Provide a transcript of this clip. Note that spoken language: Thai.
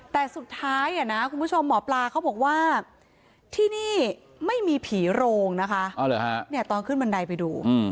แต่สุดท้ายหมอปลาบอกว่าที่นี่ไม่มีผีโรงตอนขึ้นบันไดไปดู